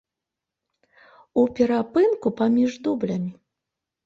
У перапынку паміж дублямі.